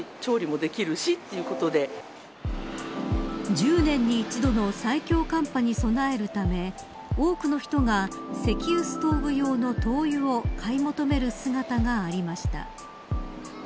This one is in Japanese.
１０年に一度の最強寒波に備えるため多くの人が石油ストーブ用の灯油を買い求める姿がありました。